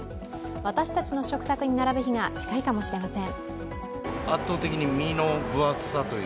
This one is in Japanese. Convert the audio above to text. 私たちの食卓に並ぶ日が近いかもしれません。